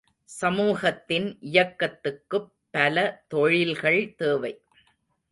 சமூகத்தின் இயக்கத்துக்குப் பல தொழில்கள் தேவை.